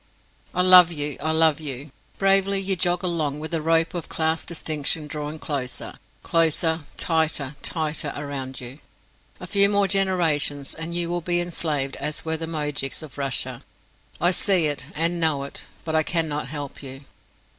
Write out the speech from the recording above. I love you, I love you. Bravely you jog along with the rope of class distinction drawing closer, closer, tighter, tighter around you: a few more generations and you will be as enslaved as were ever the moujiks of Russia. I see it and know it, but I cannot help you.